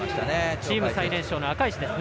チーム最年少赤石ですね。